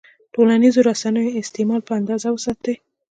د ټولنیزو رسنیو استعمال په اندازه وساتئ.